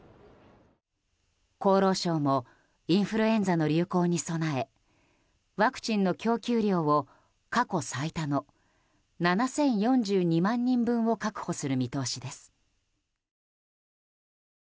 厚労省もインフルエンザの流行に備えワクチンの供給量を過去最多の７０４２万人分を確保する見通しです。